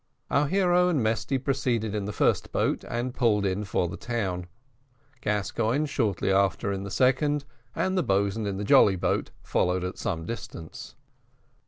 Our hero and Mesty proceeded in the first boat, and pulled in for the town; Gascoigne shortly after in the second, and the boatswain, in the jolly boat, followed at some distance.